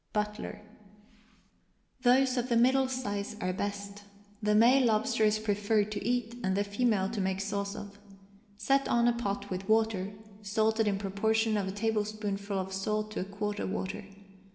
BUTLER. Those of the middle size are best. The male lobster is preferred to eat, and the female to make sauce of. Set on a pot with water, salted in proportion of a tablespoonful of salt to a quart of water.